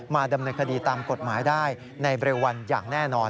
ดำเนินคดีตามกฎหมายได้ในเร็ววันอย่างแน่นอน